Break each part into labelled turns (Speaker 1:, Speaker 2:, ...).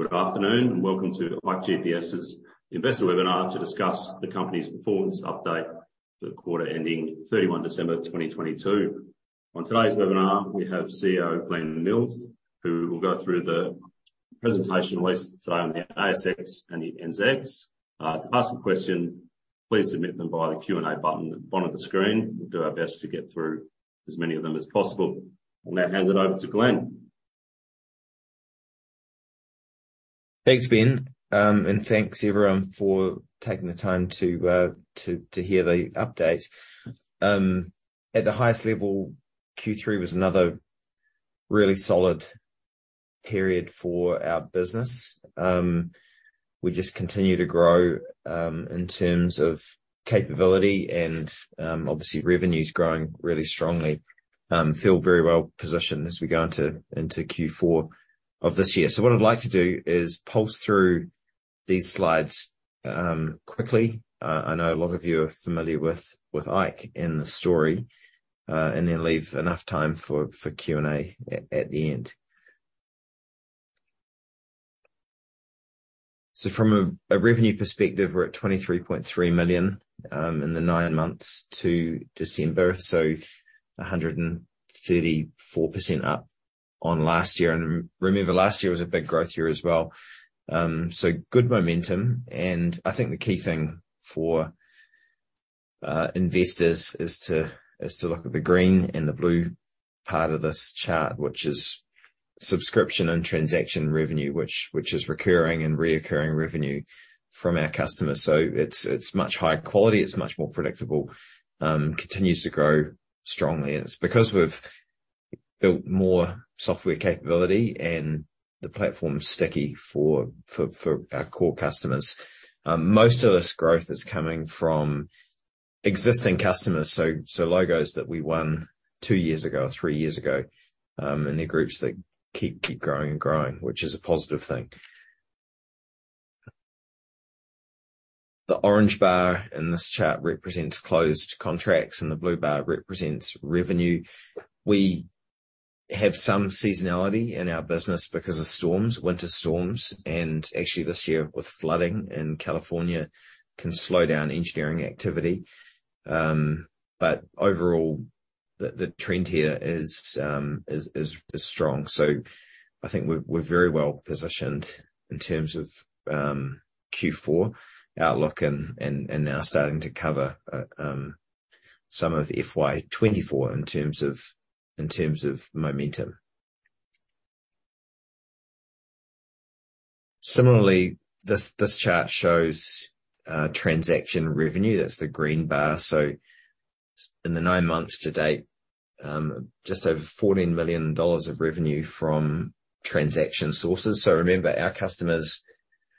Speaker 1: Good afternoon, and welcome to ikeGPS's investor webinar to discuss the company's performance update for the quarter ending 31 December, 2022. On today's webinar, we have CEO Glenn Milnes, who will go through the presentation released today on the ASX and the NZX. To ask a question, please submit them via the Q&A button at the bottom of the screen. We'll do our best to get through as many of them as possible. I'll now hand it over to Glenn.
Speaker 2: Thanks, Ben, and thanks everyone for taking the time to hear the update. At the highest level, Q3 was another really solid period for our business. We just continue to grow in terms of capability and obviously revenue's growing really strongly. Feel very well-positioned as we go into Q4 of this year. What I'd like to do is pulse through these slides quickly. I know a lot of you are familiar with IKE and the story, and then leave enough time for Q&A at the end. From a revenue perspective, we're at 23.3 million in the nine months to December, 134% up on last year. Remember last year was a big growth year as well. Good momentum, and I think the key thing for investors is to look at the green and the blue part of this chart, which is subscription and transaction revenue, which is recurring and reoccurring revenue from our customers. It's much higher quality, it's much more predictable, continues to grow strongly. It's because we've built more software capability and the platform's sticky for our core customers. Most of this growth is coming from existing customers, so logos that we won two years ago or three years ago, and they're groups that keep growing and growing, which is a positive thing. The orange bar in this chart represents closed contracts, and the blue bar represents revenue. We have some seasonality in our business because of storms, winter storms, and actually this year with flooding in California can slow down engineering activity. Overall, the trend here is strong. I think we're very well-positioned in terms of Q4 outlook and now starting to cover some of FY 2024 in terms of momentum. Similarly, this chart shows transaction revenue. That's the green bar. In the nine months to date, just over 14 million dollars of revenue from transaction sources. Remember our customers,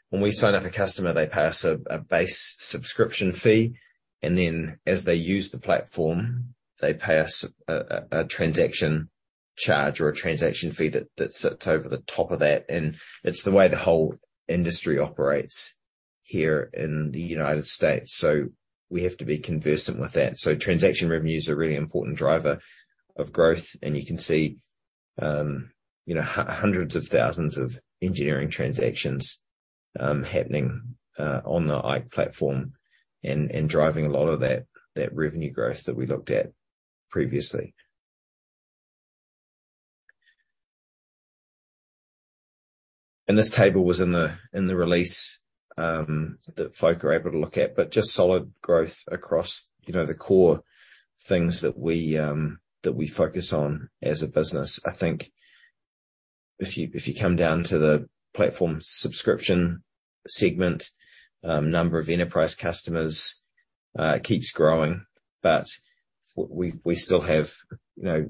Speaker 2: when we sign up a customer, they pay us a base subscription fee, and then as they use the platform, they pay us a transaction charge or a transaction fee that sits over the top of that. It's the way the whole industry operates here in the United States, so we have to be conversant with that. Transaction revenue is a really important driver of growth, and you can see, you know, hundreds of thousands of engineering transactions, happening, on the IKE platform and driving a lot of that revenue growth that we looked at previously. This table was in the release, that folk are able to look at, but just solid growth across, you know, the core things that we, that we focus on as a business. If you, if you come down to the platform subscription segment, number of enterprise customers, keeps growing, but we still have, you know,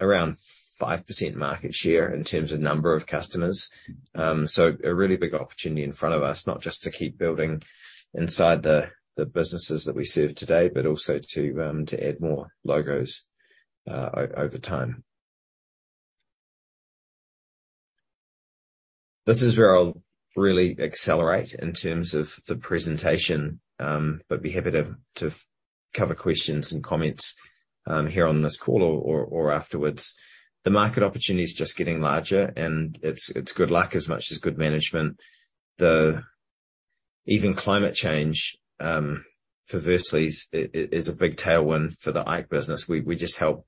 Speaker 2: around 5% market share in terms of number of customers. A really big opportunity in front of us, not just to keep building inside the businesses that we serve today, but also to add more logos over time. This is where I'll really accelerate in terms of the presentation, but be happy to cover questions and comments here on this call or afterwards. The market opportunity is just getting larger and it's good luck as much as good management. Even climate change perversely is a big tailwind for the IKE business. We just help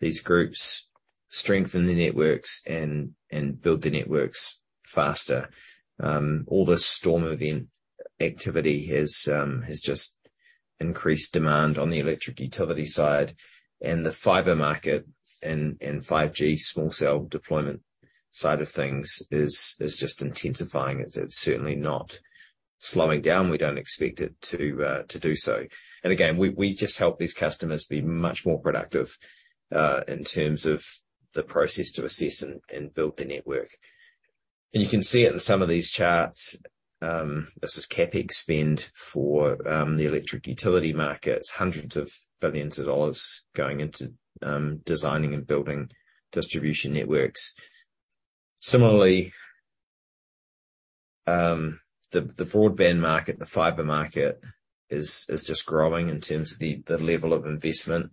Speaker 2: these groups strengthen their networks and build their networks faster. All this storm event activity has just increased demand on the electric utility side and the fiber market and 5G small cell deployment side of things is just intensifying. It's certainly not slowing down. We don't expect it to do so. Again, we just help these customers be much more productive in terms of the process to assess and build the network. You can see it in some of these charts. This is CapEx spend for the electric utility markets, hundreds of billions of dollars going into designing and building distribution networks. Similarly, the broadband market, the fiber market is just growing in terms of the level of investment.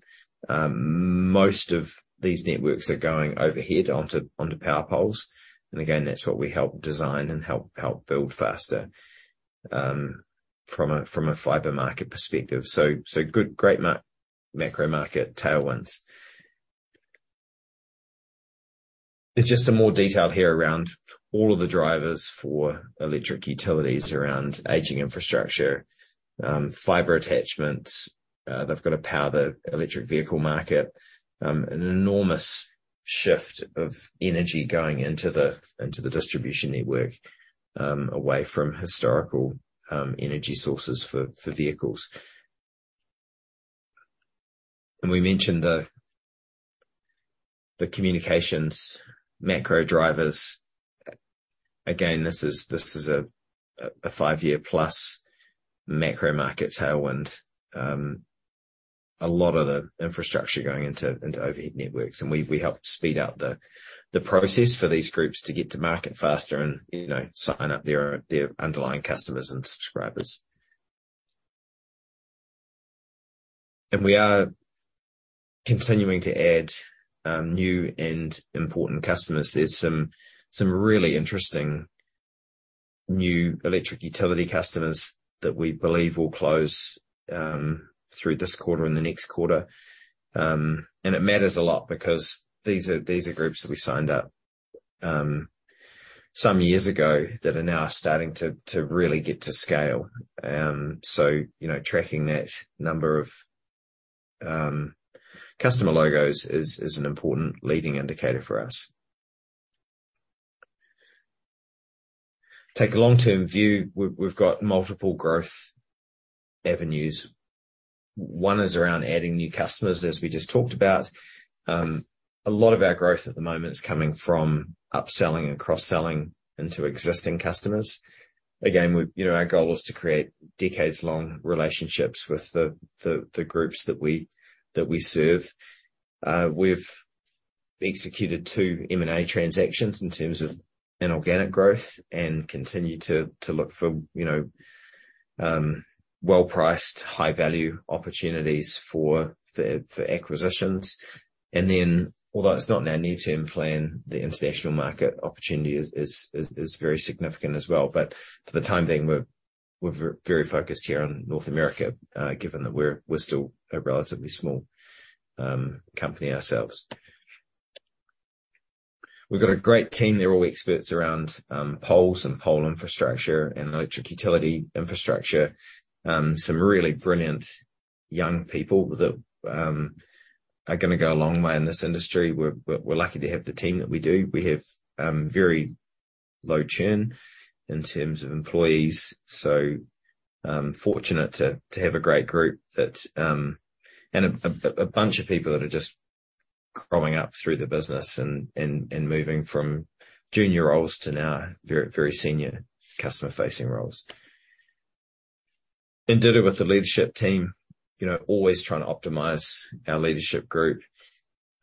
Speaker 2: Most of these networks are going overhead onto power poles. Again, that's what we help design and help build faster from a fiber market perspective. Good, great macro market tailwinds. There's just some more detail here around all of the drivers for electric utilities around aging infrastructure, fiber attachments. They've got to power the electric vehicle market. An enormous shift of energy going into the, into the distribution network, away from historical energy sources for vehicles. We mentioned the communications macro drivers. Again, this is a five-year-plus macro market tailwind. A lot of the infrastructure going into overhead networks. We help speed up the process for these groups to get to market faster and, you know, sign up their underlying customers and subscribers. We are continuing to add new and important customers. There's some really interesting new electric utility customers that we believe will close through this quarter and the next quarter. It matters a lot because these are groups that we signed up some years ago that are now starting to really get to scale. You know, tracking that number of customer logos is an important leading indicator for us. Take a long-term view. We've got multiple growth avenues. One is around adding new customers, as we just talked about. A lot of our growth at the moment is coming from upselling and cross-selling into existing customers. Again, we know, our goal is to create decades-long relationships with the groups that we serve. We've executed two M&A transactions in terms of inorganic growth and continue to look for, you know, well-priced, high-value opportunities for acquisitions. Although it's not in our near-term plan, the international market opportunity is very significant as well. For the time being, we're very focused here on North America, given that we're still a relatively small company ourselves. We've got a great team. They're all experts around poles and pole infrastructure and electric utility infrastructure. Some really brilliant young people that are gonna go a long way in this industry. We're lucky to have the team that we do. We have very low churn in terms of employees. Fortunate to have a great group. A bunch of people that are just growing up through the business and moving from junior roles to now very senior customer-facing roles. In ditto with the leadership team, you know, always trying to optimize our leadership group.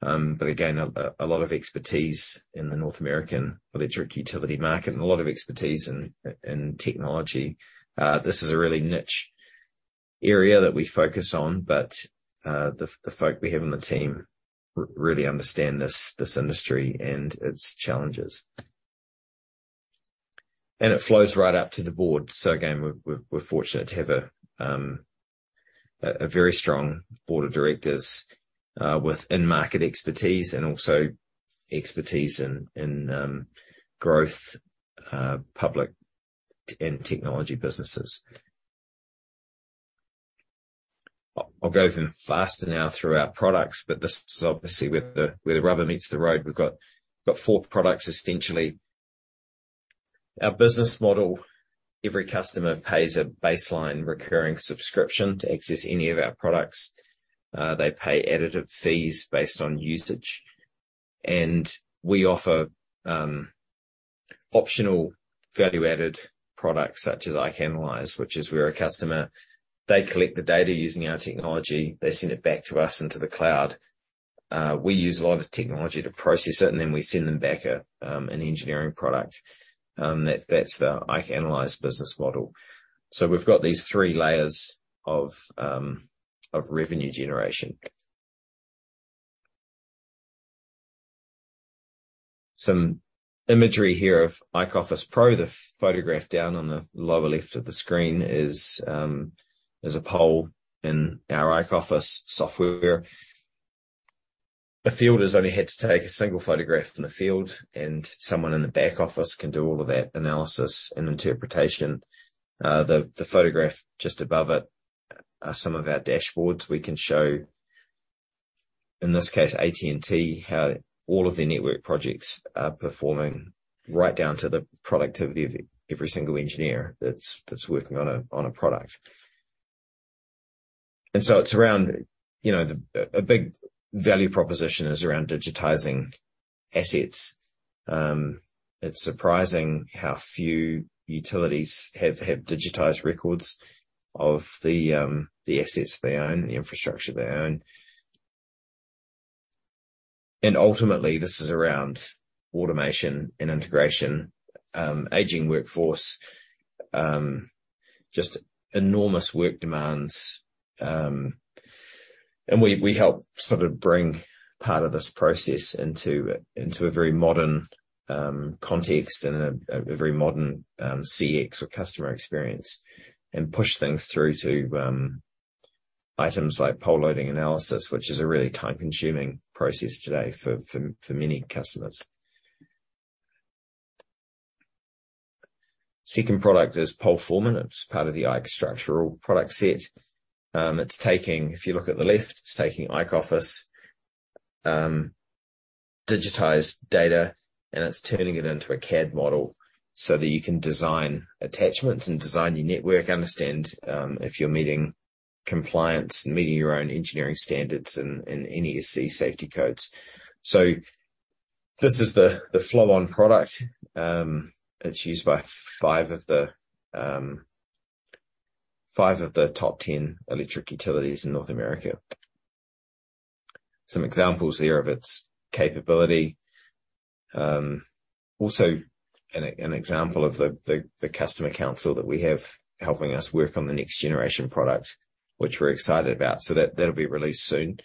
Speaker 2: Again, a lot of expertise in the North American electric utility market and a lot of expertise in technology. This is a really niche area that we focus on, but the folk we have on the team really understand this industry and its challenges. It flows right up to the board. Again, we're fortunate to have a very strong board of directors with in-market expertise and also expertise in growth, public and technology businesses. I'll go even faster now through our products, but this is obviously where the rubber meets the road. We've got four products essentially. Our business model, every customer pays a baseline recurring subscription to access any of our products. They pay additive fees based on usage. We offer optional value-added products such as IKE Analyze, which is where a customer, they collect the data using our technology. They send it back to us into the cloud. We use a lot of technology to process it, and then we send them back a an engineering product. That's the IKE Analyze business model. We've got these three layers of revenue generation. Some imagery here of IKE Office Pro. The photograph down on the lower left of the screen is a pole in our IKE Office software. A fielder's only had to take a single photograph in the field, and someone in the back office can do all of that analysis and interpretation. The photograph just above it are some of our dashboards. We can show, in this case, AT&T, how all of their network projects are performing right down to the productivity of every single engineer that's working on a product. It's around, you know, a big value proposition is around digitizing assets. It's surprising how few utilities have digitized records of the assets they own, the infrastructure they own. Ultimately, this is around automation and integration, aging workforce, just enormous work demands. We help sort of bring part of this process into a very modern context and a very modern CX or customer experience and push things through to items like pole loading analysis, which is a really time-consuming process today for many customers. Second product is PoleForeman. It's part of the IKE Structural product set. If you look at the left, it's taking IKE Office digitized data, and it's turning it into a CAD model so that you can design attachments and design your network. Understand if you're meeting compliance and meeting your own engineering standards and NESC safety codes. This is the flow-on product. It's used by five of the top 10 electric utilities in North America. Some examples there of its capability. Also an example of the customer council that we have helping us work on the next generation product, which we're excited about. That'll be released soon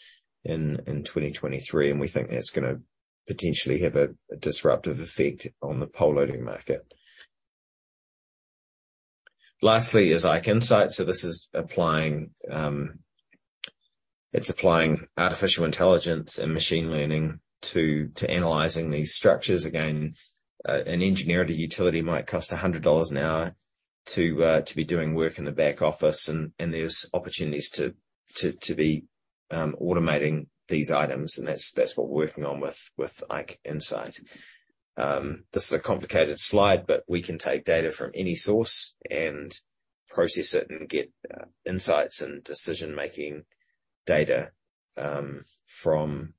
Speaker 2: in 2023, and we think that's gonna potentially have a disruptive effect on the pole loading market. Lastly is IKE Insight. This is applying. It's applying artificial intelligence and machine learning to analyzing these structures. Again, an engineer at a utility might cost 100 dollars an hour to be doing work in the back office, and there's opportunities to be automating these items, and that's what we're working on with IKE Insight. This is a complicated slide, we can take data from any source and process it and get insights and decision-making data from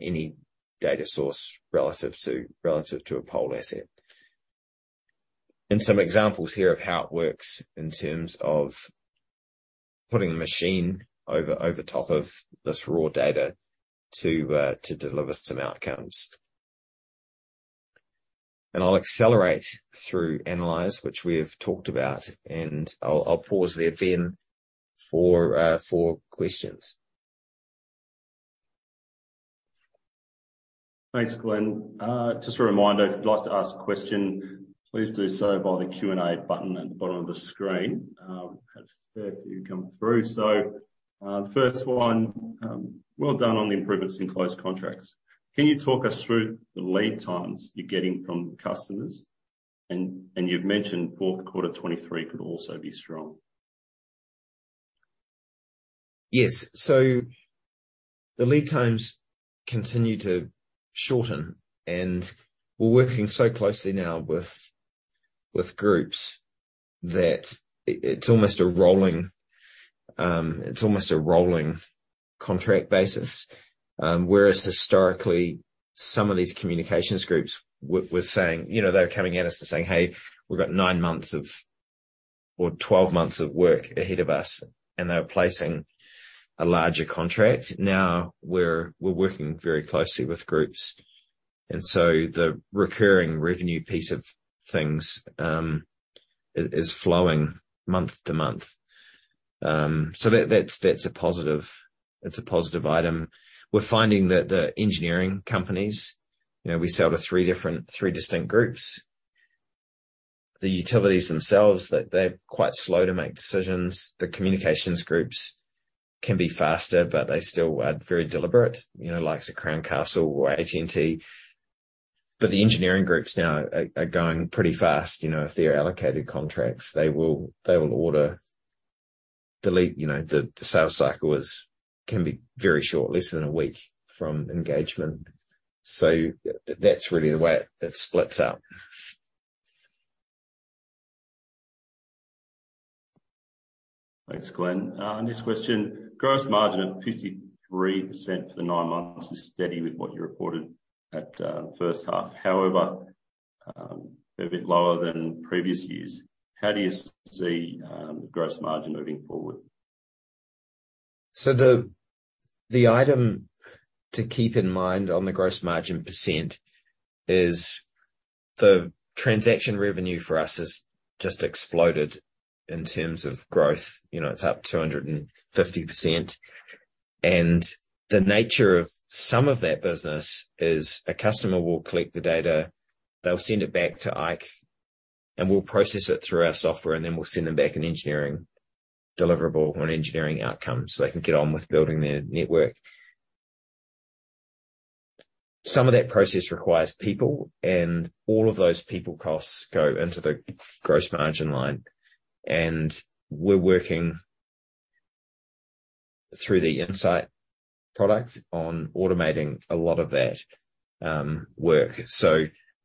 Speaker 2: any data source relative to a pole asset. Some examples here of how it works in terms of putting the machine over top of this raw data to deliver some outcomes. I'll accelerate through Analyze, which we have talked about, I'll pause there then for questions.
Speaker 1: Thanks, Glenn. Just a reminder, if you'd like to ask a question, please do so via the Q&A button at the bottom of the screen. Have a fair few come through. The first one, well done on the improvements in closed contracts. Can you talk us through the lead times you're getting from customers? You've mentioned fourth quarter 2023 could also be strong.
Speaker 2: Yes. The lead times continue to shorten, and we're working so closely now with groups that it's almost a rolling, it's almost a rolling contract basis. Whereas historically some of these communications groups were saying. You know, they were coming at us and saying, "Hey, we've got nine months or 12 months of work ahead of us." They were placing a larger contract. Now we're working very closely with groups, and so the recurring revenue piece of things is flowing month to month. That's a positive. It's a positive item. We're finding that the engineering companies, you know, we sell to three distinct groups. The utilities themselves, they're quite slow to make decisions. The communications groups can be faster, but they still are very deliberate, you know, likes of Crown Castle or AT&T. The engineering groups now are going pretty fast. You know, if they're allocated contracts, they will order. The lead, you know, the sales cycle can be very short, less than a week from engagement. That's really the way it splits up.
Speaker 1: Thanks, Glenn. Next question. Gross margin of 53% for the nine months is steady with what you reported at the first half. However, a bit lower than previous years. How do you see the gross margin moving forward?
Speaker 2: The item to keep in mind on the gross margin percent is the transaction revenue for us has just exploded in terms of growth. You know, it's up 250%. The nature of some of that business is a customer will collect the data, they'll send it back to ikeGPS, and we'll process it through our software, and then we'll send them back an engineering deliverable or an engineering outcome, so they can get on with building their network. Some of that process requires people, and all of those people costs go into the gross margin line. We're working through the Insight product on automating a lot of that work.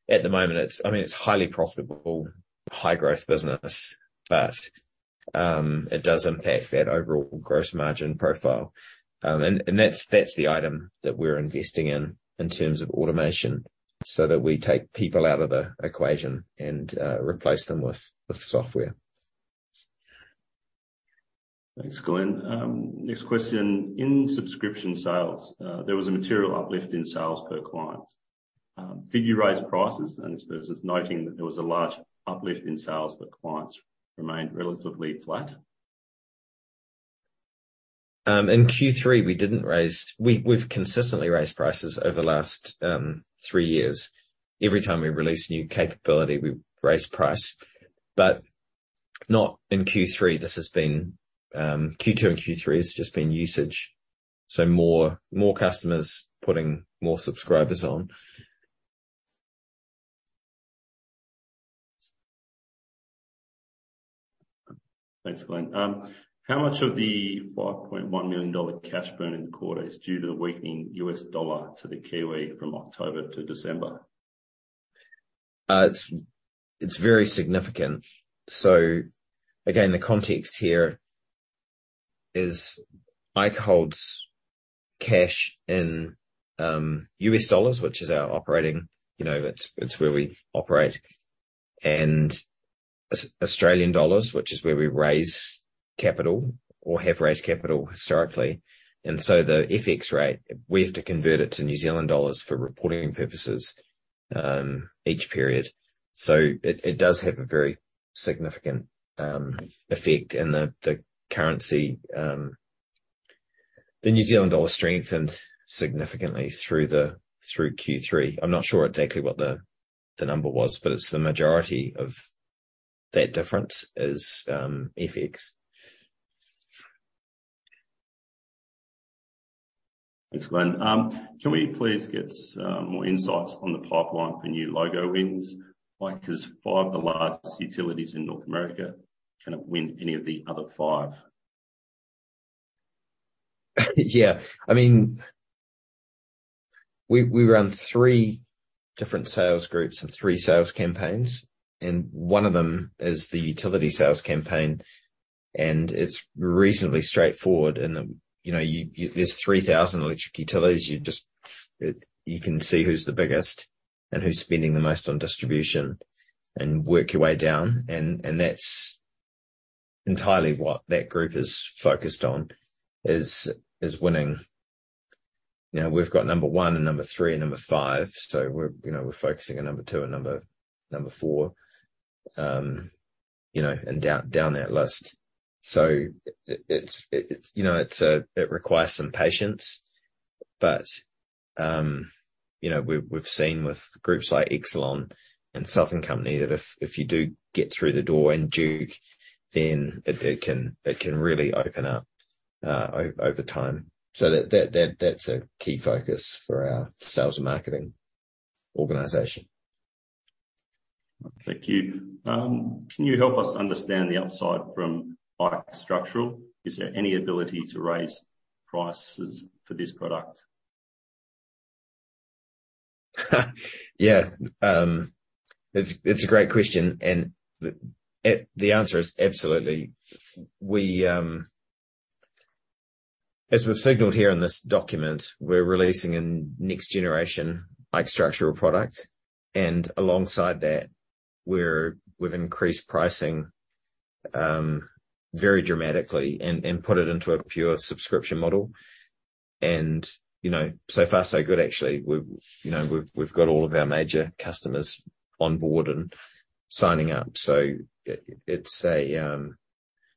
Speaker 2: At the moment, I mean, it's highly profitable, high-growth business, but it does impact that overall gross margin profile. That's the item that we're investing in in terms of automation, so that we take people out of the equation and replace them with software.
Speaker 1: Thanks, Glenn. Next question. In subscription sales, there was a material uplift in sales per client. Did you raise prices? It's worth just noting that there was a large uplift in sales, but clients remained relatively flat.
Speaker 2: In Q3, we didn't raise. We've consistently raised prices over the last three years. Every time we release new capability, we raise price. Not in Q3. This has been Q2 and Q3 has just been usage, so more customers putting more subscribers on.
Speaker 1: Thanks, Glenn. How much of the 5.1 million dollar cash burn in the quarter is due to the weakening US dollar to the Kiwi from October to December?
Speaker 2: It's very significant. Again, the context here is ikeGPS holds cash in US dollars, which is our operating, you know, it's where we operate. Australian dollars, which is where we raise capital or have raised capital historically. The FX rate, we have to convert it to New Zealand dollars for reporting purposes each period. It does have a very significant effect in the currency. The New Zealand dollar strengthened significantly through Q3. I'm not sure exactly what the number was, but it's the majority of that difference is FX.
Speaker 1: Thanks, Glenn. Can we please get more insights on the pipeline for new logo wins? Like, 'cause five of the largest utilities in North America, can it win any of the other five?
Speaker 2: Yeah. I mean, we run three different sales groups and three sales campaigns, and one of them is the utility sales campaign, and it's reasonably straightforward. You know, There's 3,000 electric utilities. You can see who's the biggest and who's spending the most on distribution and work your way down, and that's entirely what that group is focused on, is winning. You know, we've got number one and number three and number five, so we're, you know, we're focusing on number two and number four, you know, and down that list. It's, you know, it's a It requires some patience. you know, we've seen with groups like Exelon and Southern Company that if you do get through the door and Duke, then it can really open up over time. That's a key focus for our sales and marketing organization.
Speaker 1: Thank you. Can you help us understand the upside from IKE Structural? Is there any ability to raise prices for this product?
Speaker 2: Yeah. It's a great question, and the answer is absolutely. We, as we've signaled here in this document, we're releasing a next generation IKE Structural product, and alongside that, we've increased pricing very dramatically and put it into a pure subscription model. You know, so far so good actually. We've, you know, we've got all of our major customers on board and signing up. It's a,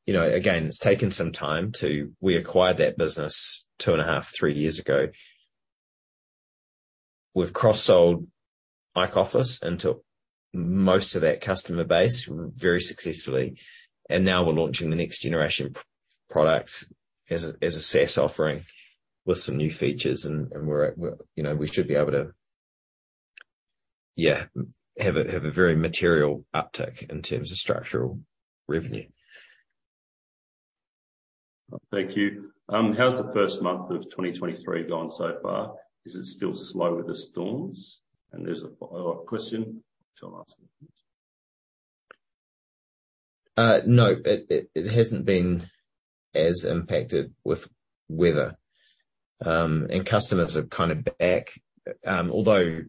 Speaker 2: you know, again, it's taken some time to. We acquired that business two and a half, three years ago. We've cross-sold IKE Office into most of that customer base very successfully. Now we're launching the next generation product as a SaaS offering with some new features and we're, you know, we should be able to have a very material uptick in terms of Structural revenue.
Speaker 1: Thank you. How's the first month of 2023 gone so far? Is it still slow with the storms? There's a follow-up question. I'll ask in a minute.
Speaker 2: No, it hasn't been as impacted with weather. Customers are kind of back. Although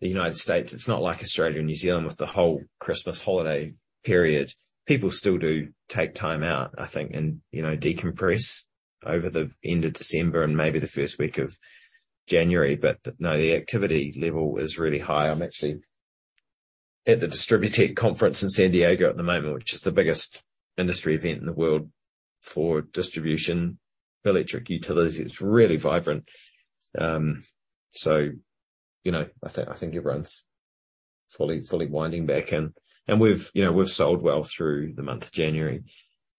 Speaker 2: the United States, it's not like Australia and New Zealand with the whole Christmas holiday period. People still do take time out, I think, and, you know, decompress over the end of December and maybe the first week of January. No, the activity level is really high. I'm actually at the DISTRIBUTECH conference in San Diego at the moment, which is the biggest industry event in the world for distribution, electric utilities. It's really vibrant. You know, I think everyone's fully winding back. We've, you know, we've sold well through the month of January,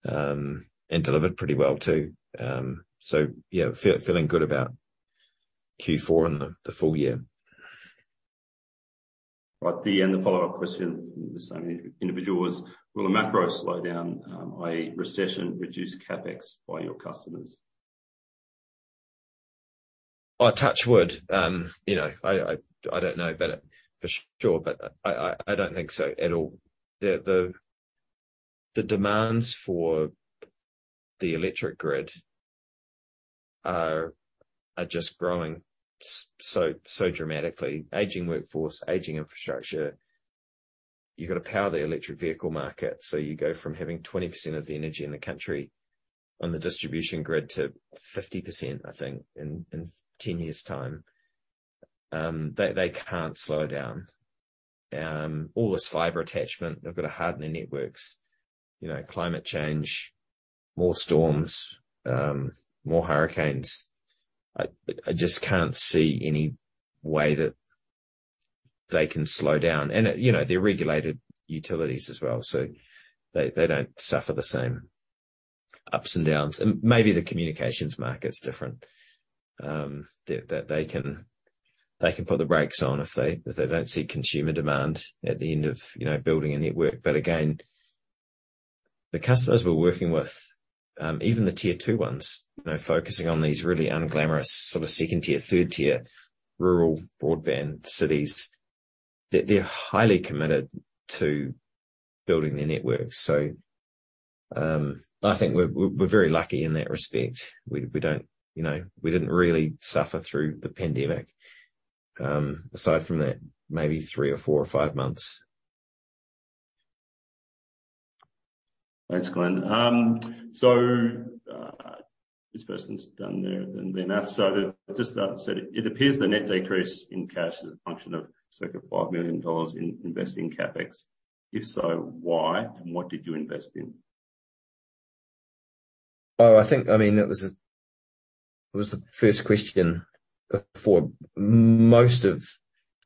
Speaker 2: and delivered pretty well too. Yeah, feeling good about Q4 and the full year.
Speaker 1: The follow-up question from the same individual was, will a macro slowdown, i.e. recession reduce CapEx by your customers?
Speaker 2: Oh, touch wood. You know, I don't know about it for sure, but I don't think so at all. The demands for the electric grid are just growing so dramatically. Aging workforce, aging infrastructure. You've got to power the electric vehicle market, so you go from having 20% of the energy in the country on the distribution grid to 50%, I think, in 10 years' time. They can't slow down. All this fiber attachment, they've got to harden their networks. You know, climate change, more storms, more hurricanes. I just can't see any way that they can slow down. You know, they're regulated utilities as well, so they don't suffer the same ups and downs. Maybe the communications market's different, that they can put the brakes on if they don't see consumer demand at the end of, you know, building a network. Again, the customers we're working with, even the tier two ones, you know, focusing on these really unglamorous sort of second tier, third tier rural broadband cities. They're highly committed to building their networks. I think we're very lucky in that respect. We don't, you know, we didn't really suffer through the pandemic. aside from that maybe three or four or five months.
Speaker 1: Thanks, Glenn. This person's done their math. Just said, It appears the net decrease in cash is a function of circa 5 million dollars in investing CapEx. If so, why, and what did you invest in?
Speaker 2: That was the first question before. Most of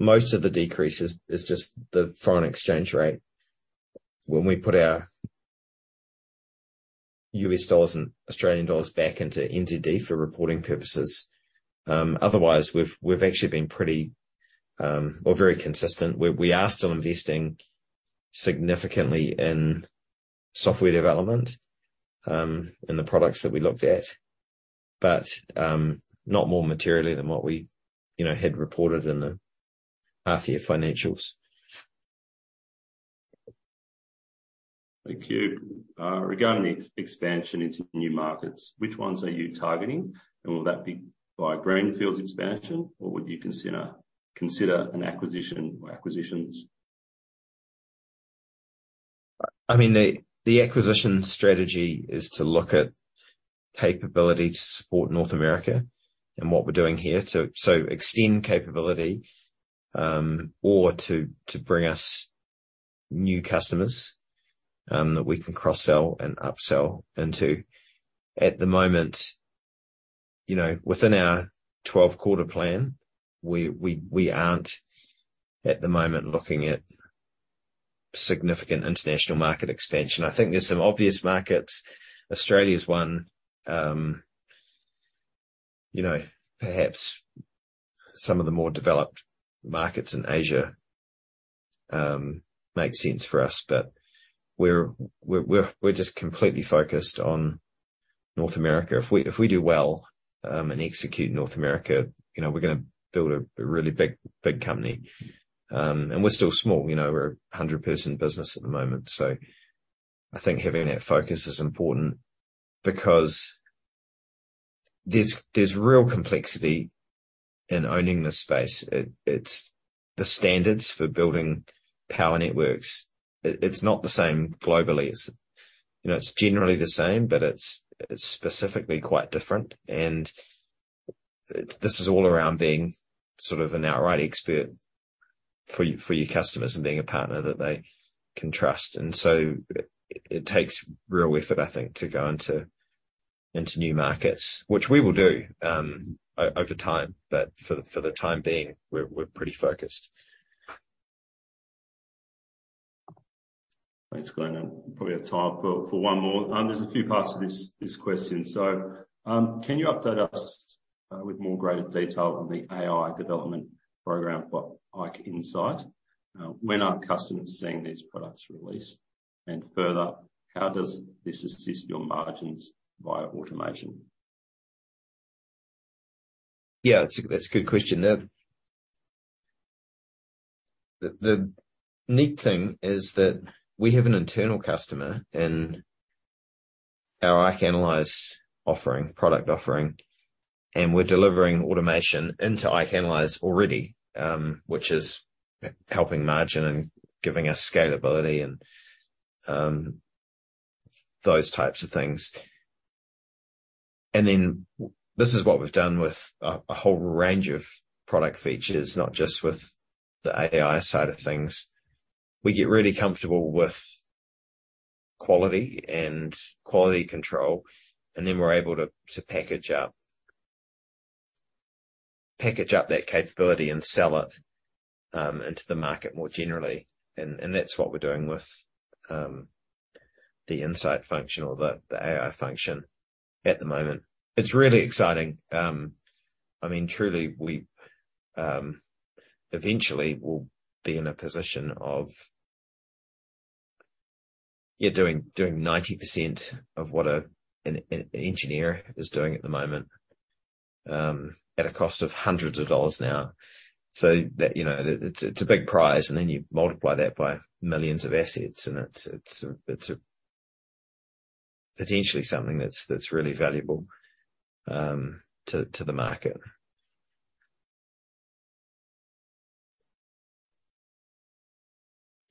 Speaker 2: the decrease is just the foreign exchange rate when we put our US dollars and Australian dollars back into NZD for reporting purposes. Otherwise, we've actually been pretty or very consistent. We are still investing significantly in software development and the products that we looked at, but not more materially than what we, you know, had reported in the half year financials.
Speaker 1: Thank you. Regarding the expansion into new markets, which ones are you targeting? Will that be by greenfields expansion, or would you consider an acquisition or acquisitions?
Speaker 2: I mean, the acquisition strategy is to look at capability to support North America and what we're doing here to extend capability, or to bring us new customers that we can cross-sell and upsell into. At the moment, you know, within our 12-quarter plan, we aren't at the moment looking at significant international market expansion. I think there's some obvious markets. Australia is one. You know, perhaps some of the more developed markets in Asia make sense for us, but we're just completely focused on North America. If we do well, and execute North America, you know, we're gonna build a really big company. We're still small. You know, we're a 100-person business at the moment. I think having that focus is important because there's real complexity in owning this space. The standards for building power networks, it's not the same globally. It's, you know, it's generally the same, but it's specifically quite different. This is all around being sort of an outright expert for your customers and being a partner that they can trust. It takes real effort, I think, to go into new markets, which we will do over time, but for the time being, we're pretty focused.
Speaker 1: Thanks, Glenn, probably have time for one more. There's a few parts to this question. Can you update us with more greater detail on the AI development program for IKE Insight? When are customers seeing these products released? Further, how does this assist your margins via automation?
Speaker 2: Yeah, that's a good question. The neat thing is that we have an internal customer in our IKE Analyze offering, product offering, and we're delivering automation into IKE Analyze already, which is helping margin and giving us scalability and those types of things. This is what we've done with a whole range of product features, not just with the AI side of things. We get really comfortable with quality and quality control, and then we're able to package up that capability and sell it into the market more generally. That's what we're doing with the insight function or the AI function at the moment. It's really exciting. I mean, truly, we eventually will be in a position of doing 90% of what an engineer is doing at the moment, at a cost of hundreds of dollars now. That, you know, it's a big prize, and then you multiply that by millions of assets, and it's a, it's a potentially something that's really valuable to the market.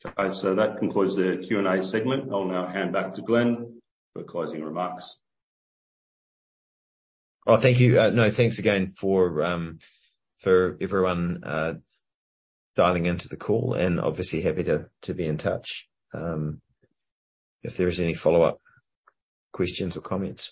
Speaker 1: Okay. That concludes the Q&A segment. I'll now hand back to Glenn for closing remarks.
Speaker 2: Thank you. Thanks again for everyone, dialing into the call, and obviously happy to be in touch, if there is any follow-up questions or comments.